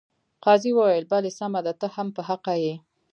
قاضي وویل بلې سمه ده ته هم په حقه یې.